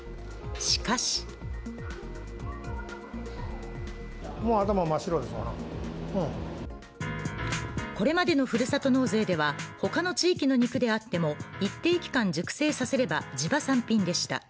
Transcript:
しかしこれまでのふるさと納税では他の地域の肉であっても一定期間熟成させれば地場産品でした。